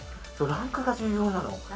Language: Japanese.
ランクが重要なの。